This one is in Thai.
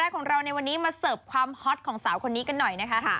ของเราในวันนี้มาเสิร์ฟความฮอตของสาวคนนี้กันหน่อยนะคะ